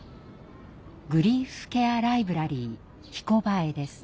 グリーフケアライブラリー「ひこばえ」です。